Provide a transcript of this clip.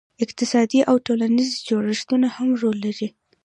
اقتصادي او ټولنیز جوړښتونه هم رول لري.